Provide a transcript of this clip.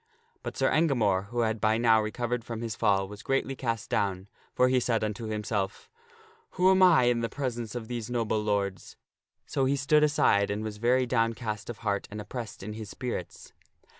But Sir Engamore, who had by now recovered from his fall, was greatly cast down, for he said unto himself, " Who am I in the presence of these noble lords?" So he stood aside and was very downcast of heart and oppressed in his spirits.